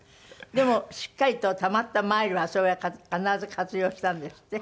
でもしっかりとたまったマイルは必ず活用したんですって？